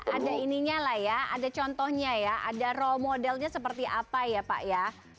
ada ininya lah ya ada contohnya ya ada role modelnya seperti apa ya pak ya